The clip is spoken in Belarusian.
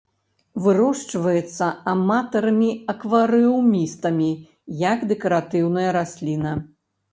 Вырошчваецца аматарамі-акварыумістамі, як дэкаратыўная расліна.